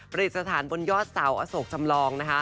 ดิษฐานบนยอดเสาอโศกจำลองนะคะ